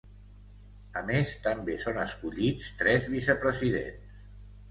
A més també són escollits tres vicepresidents.